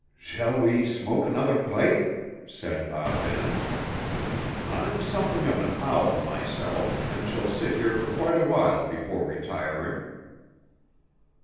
"Shall we smoke another pipe?" said Ah Ben. "I'm something of an owl myself, and shall sit here for quite a while before retiring."